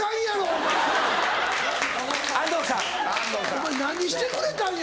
お前何してくれたんや！